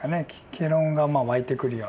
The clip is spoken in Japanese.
戯論がまあ湧いてくるような。